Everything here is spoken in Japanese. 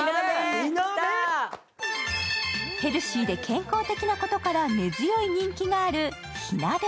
ヘルシーで健康的なことから根強い人気がある火鍋。